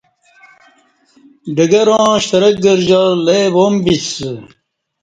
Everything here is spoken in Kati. ڈگراں شترک گرجار لی وام بیسہ